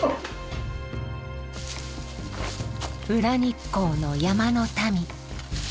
裏日光の山の民。